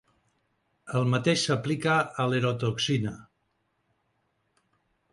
El mateix s'aplica a l'"erotoxina".